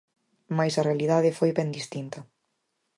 Mais a realidade foi ben distinta.